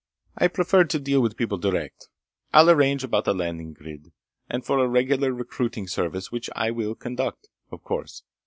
"I prefer to deal with people direct. I'll arrange about the landing grid, and for a regular recruiting service which I will conduct, of course.